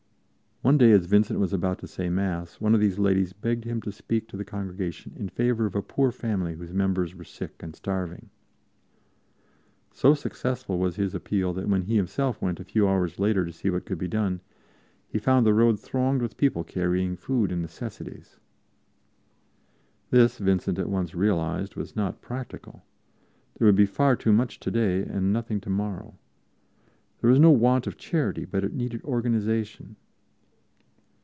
One day, as Vincent was about to say Mass, one of these ladies begged him to speak to the congregation in favor of a poor family whose members were sick and starving. So successful was his appeal that when he himself went a few hours later to see what could be done, he found the road thronged with people carrying food and necessaries. This, Vincent at once realized, was not practical. There would be far too much today and nothing tomorrow. There was no want of charity, but it needed organization.